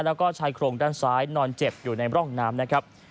แล้วก็ชายโครงด้านซ้ายนอนเจ็บอยู่ในร่องน้ำนะครับ